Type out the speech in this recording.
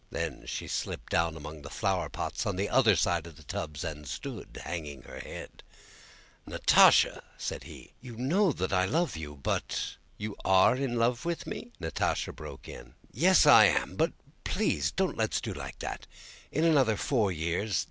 Then she slipped down among the flowerpots on the other side of the tubs and stood, hanging her head. "Natásha," he said, "you know that I love you, but...." "You are in love with me?" Natásha broke in. "Yes, I am, but please don't let us do like that.... In another four years